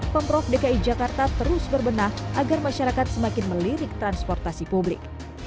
pemprov dki jakarta terus berbenah agar masyarakat semakin melirik transportasi publik